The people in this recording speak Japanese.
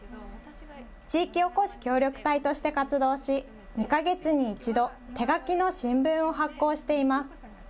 地域おこし協力隊として活動し、２か月に１度、手書きの新聞を発行しています。